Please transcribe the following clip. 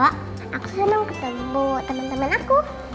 aku senang ketemu temen temen aku